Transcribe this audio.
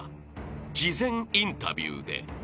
事前インタビューで］